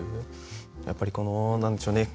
やっぱりこの何でしょうね